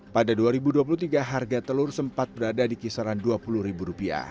pada dua ribu dua puluh tiga harga telur sempat berada di kisaran rp dua puluh